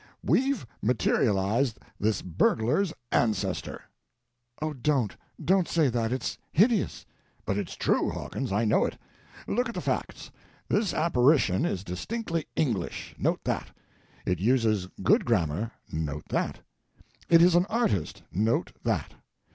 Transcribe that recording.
We've materialized this burglar's ancestor!" "Oh, don't—don't say that. It's hideous." "But it's true, Hawkins, I know it. Look at the facts. This apparition is distinctly English—note that. It uses good grammar—note that. It is an Artist—note that.